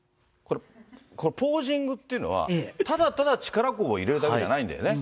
このポージングっていうのは、ただただ力こぶを入れるだけじゃないんだよね。